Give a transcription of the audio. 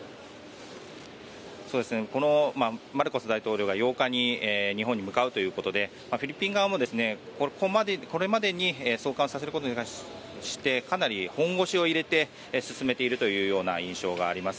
マルコス大統領が８日に日本に向かうということでフィリピン側も、これまでに送還させることに対してかなり本腰を入れて進めているというような印象があります。